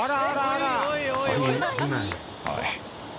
はい。